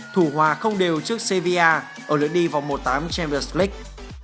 thủ hòa không đều trước sevilla ở lưỡi đi vòng một tám champions league